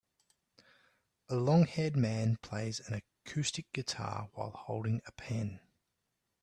A longhaired man plays an acoustic guitar while holding a pen.